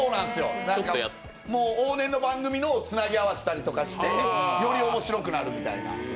往年の番組をつなぎ合わせてよりおもしろくするみたいな。